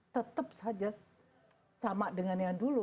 tetap saja sama dengan yang dulu